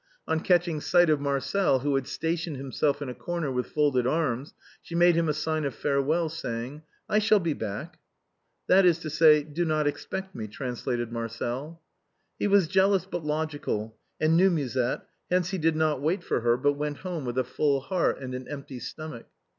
On catching sight of Marcel, who had stationed himself in a corner with folded arms, she made him a sign of fare well, saying —" I shall be back." " That is to say, ' Do not expect me,' " translated Mar cel. He was jealous but logical, and knew Musette, hence he did not wait for her, but went home with a full heart and an empty stomach.